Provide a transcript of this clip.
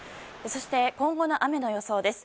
そして今後の雨の予想です。